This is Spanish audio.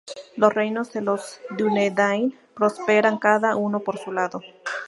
Los reinos de los Dúnedain prosperan cada uno por su lado.